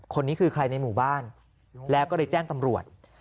คนนี้คือใครในหมู่บ้านแล้วก็เลยแจ้งตำรวจ